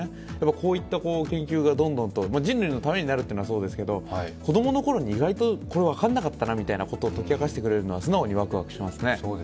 こういった研究がどんどんと、人類のためになるというのはそうですけど、子供のころに意外とこれ分からなかったなというのを解き明かしてくれるのは素直にワクワクしますね。